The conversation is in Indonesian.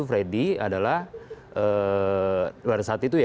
freddy adalah pada saat itu ya